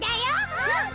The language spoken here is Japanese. うん！